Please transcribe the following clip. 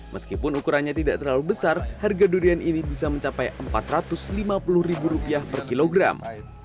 meskipun ukurannya tidak terlalu besar harga durian ini bisa mencapai rp empat ratus lima puluh per kilogram